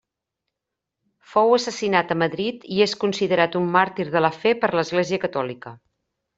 Fou assassinat a Madrid i és considerat un màrtir de la fe per l'Església Catòlica.